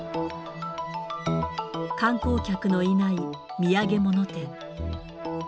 観光客のいない土産物店。